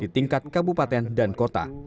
di tingkat kabupaten dan kota